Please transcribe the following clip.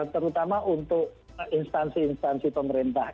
terutama untuk instansi instansi pemerintah